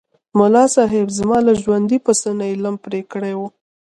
ملاصاحب! زما له ژوندي پسه نه یې لم پرې کړی و.